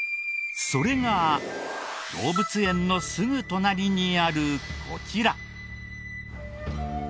それが動物園のすぐ隣にあるこちら。